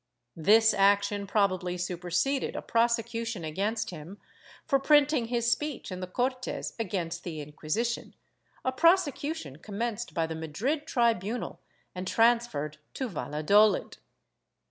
This action probably superseded a prosecution against him for printing his speech in the Cortes against the Inqui sition, a prosecution commenced by the Madrid tribunal and trans ferred to Valladolid.